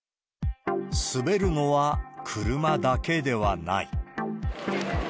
滑るのは車だけではない。